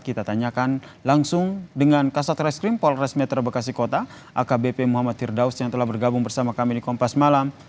kita tanyakan langsung dengan kasat reskrim polres metro bekasi kota akbp muhammad firdaus yang telah bergabung bersama kami di kompas malam